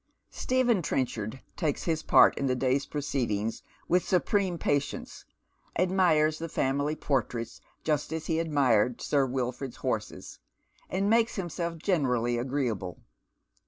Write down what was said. Stephji Trenchard takes his pai t in the day's proceedings with supreme patience ; admires the family portraits just as he admired Sir WiU'ord'a horses ; and makes himself generally ftgre&able.